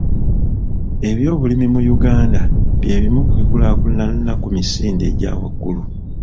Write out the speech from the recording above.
Ebyobulimi mu Uganda bye bimu ku bikulaakulanira ku misinde egya waggulu.